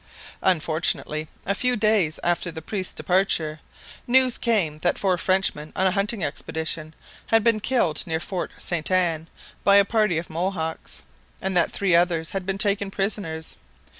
Unfortunately, a few days after the priest's departure, news came that four Frenchmen on a hunting expedition had been killed near Fort Sainte Anne by a party of Mohawks, and that three others had been taken prisoners.